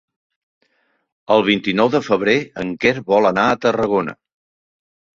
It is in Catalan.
El vint-i-nou de febrer en Quer vol anar a Tarragona.